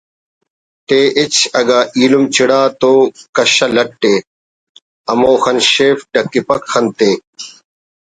تے ہچ اگہ ایلم چڑا تو کشہ لٹ ءِ امہ خن شیف ڈکپ خن تے